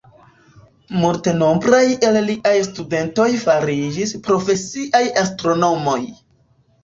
Multenombraj el liaj studentoj fariĝis profesiaj astronomoj.